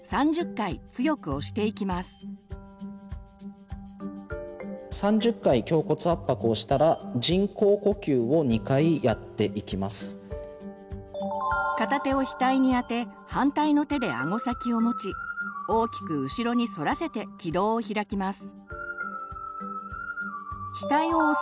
３０回胸骨圧迫をしたら片手を額にあて反対の手であご先を持ち大きく後ろに反らせて気道を開きます。